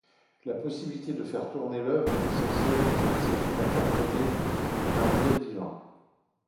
La possibilité de faire tourner l'œuvre est essentielle lorsqu'il s'agit d'interpréter un modèle vivant.